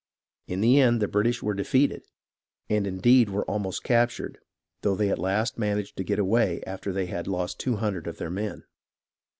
In the end the British were defeated and indeed were almost captured, though at last they managed to get away after they had lost two hundred of their men.